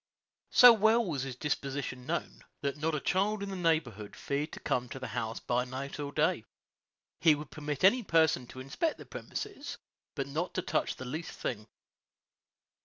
So well was his disposition known, that not a child in the neighborhood feared to come to the house by night or day. He would permit any person to inspect the premises, but not to touch the least thing.